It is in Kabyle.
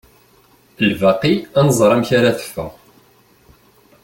Lbaqi ad nẓer amek ara teffeɣ.